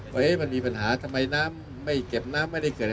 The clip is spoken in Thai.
ว่ามันมีปัญหาทำไมน้ำไม่เก็บน้ำไม่ได้เกิดอะไร